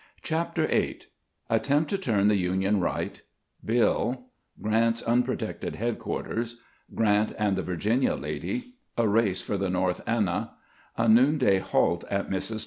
CHAPTER VIII ATTEMPT TO TUEN THE UNION EIGHT —" BILL "— GEANT'S UNPROTECTED HEADQUARTERS — GRANT AND THE VIR GINIA LADY — A RACE FOR THE NORTH ANNA — A NOON DAY HALT AT MRS.